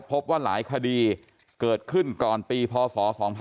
พบว่าหลายคดีเกิดขึ้นก่อนปีพศ๒๕๖๒